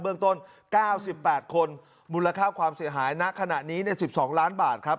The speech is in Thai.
เรื่องต้น๙๘คนมูลค่าความเสียหายณขณะนี้๑๒ล้านบาทครับ